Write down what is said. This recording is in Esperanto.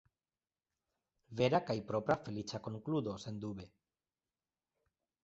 Vera kaj propra “feliĉa konkludo”, sendube.